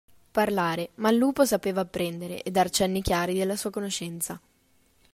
Parlare, ma il lupo sapeva apprendere, e dar cenni chiari della sua conoscenza.